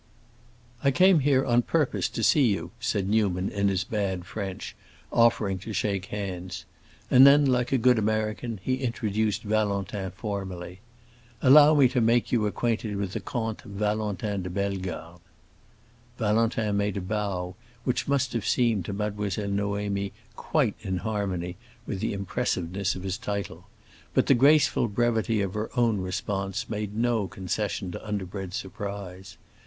"I came here on purpose to see you," said Newman in his bad French, offering to shake hands. And then, like a good American, he introduced Valentin formally: "Allow me to make you acquainted with the Comte Valentin de Bellegarde." Valentin made a bow which must have seemed to Mademoiselle Noémie quite in harmony with the impressiveness of his title, but the graceful brevity of her own response made no concession to underbred surprise.